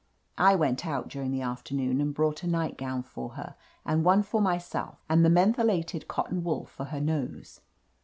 I went out during the afternoon and brought a night gown for her and one for myself, and the mentholated cotton wool for her nose.